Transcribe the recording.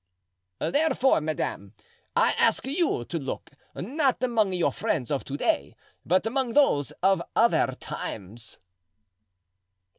"Therefore, madame, I ask you to look, not among your friends of to day, but among those of other times."